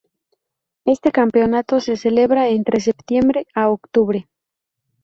Este campeonato se celebra en entre septiembre a octubre.